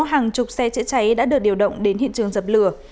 hàng chục xe chữa cháy đã được điều động đến hiện trường dập lửa